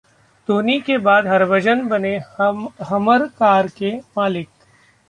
धोनी के बाद हरभजन बने ‘हमर’ कार के मालिक